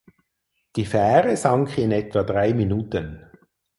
Die Fähre sank in etwa drei Minuten.